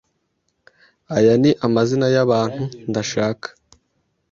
Aya ni amazina yabantu ndashaka.